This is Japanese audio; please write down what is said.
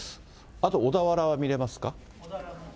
あと小田原は見れますか？